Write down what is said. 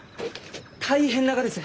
大変ながです！